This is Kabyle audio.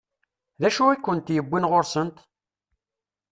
D acu i kent-yewwin ɣur-sent?